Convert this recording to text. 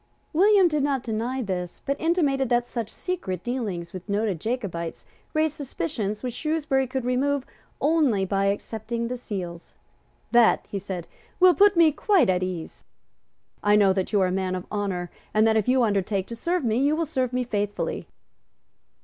William did not deny this, but intimated that such secret dealings with noted Jacobites raised suspicions which Shrewsbury could remove only by accepting the seals. "That," he said, "will put me quite at ease. I know that you are a man of honour, and that, if you undertake to serve me, you will serve me faithfully."